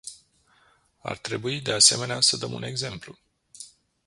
Ar trebui de asemenea să dăm un exemplu.